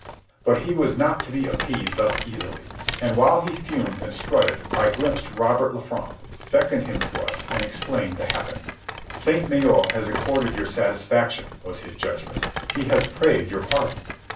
But he was not to be appeased thus easily. And while he fumed and strutted I glimpsed Robert Lanfranc, beckoned him to us, and explained the happening. "Sainte Maure has accorded you satisfaction," was his judgment. "He has prayed your pardon."